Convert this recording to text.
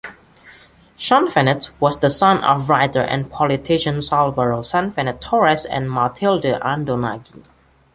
Sanfuentes was the son of writer and politician Salvador Sanfuentes Torres and Matilde Andonaegui.